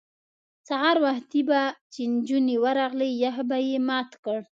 سهار وختي به چې نجونې ورغلې یخ به یې مات کړ.